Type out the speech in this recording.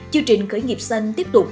chương trình khởi nghiệp xanh tiếp tục